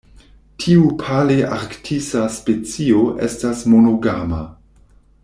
Tiu palearktisa specio estas monogama.